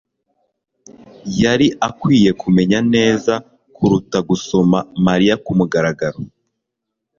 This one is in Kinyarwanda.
yari akwiye kumenya neza kuruta gusoma Mariya kumugaragaro.